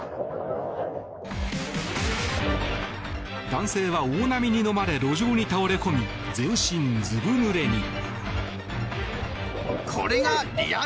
男性は大波にのまれ路上に倒れ込み全身ずぶぬれに。